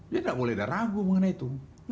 dia tidak boleh ada ragu mengenai itu